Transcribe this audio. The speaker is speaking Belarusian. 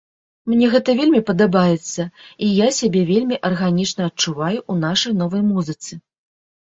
Мне гэта вельмі падабаецца, і я сябе вельмі арганічна адчуваю ў нашай новай музыцы.